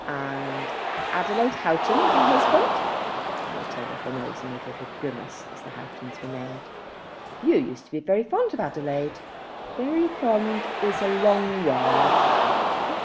"And Adelaide Houghton with her husband." Mary turned up her nose and made a grimace as the Houghtons were named. "You used to be very fond of Adelaide." "Very fond is a long word.